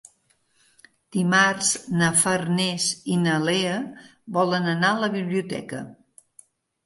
Dimarts na Farners i na Lea volen anar a la biblioteca.